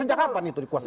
sejak kapan itu dikuasai